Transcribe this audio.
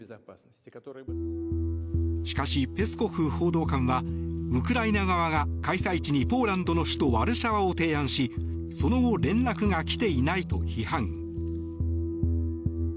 しかし、ペスコフ報道官はウクライナ側が開催地にポーランドの首都ワルシャワを提案しその後、連絡が来ていないと批判。